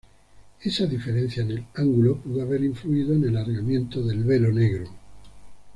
Esa diferencia en el ángulo pudo haber influido en el alargamiento del velo negro.